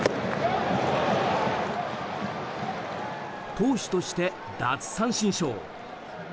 投手として奪三振ショー。